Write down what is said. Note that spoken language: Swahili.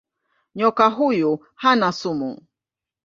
Nyoka huyu hana sumu.